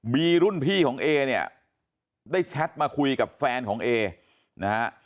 รุ่นพี่ของเอเนี่ยได้แชทมาคุยกับแฟนของเอนะฮะ